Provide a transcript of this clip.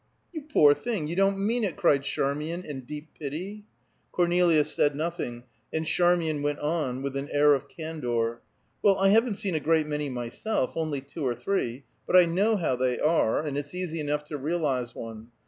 "You poor thing, you don't mean it!" cried Charmian in deep pity. Cornelia said nothing, and Charmian went on with an air of candor, "Well, I haven't seen a great many myself only two or three but I know how they are, and it's easy enough to realize one.